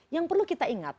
yang perlu kita ingat